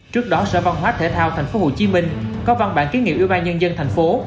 trước đó sở văn hóa thể thao tp hcm có văn bản kiến nghị ủy ban nhân dân thành phố